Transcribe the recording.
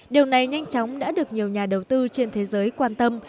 điều này nhanh chóng đã được nhiều nhà đầu tư trên thế giới quan tâm